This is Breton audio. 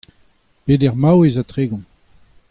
peder maouez ha tregont.